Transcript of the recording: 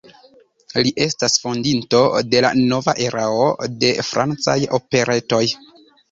Li estas fondinto de la nova erao de francaj operetoj.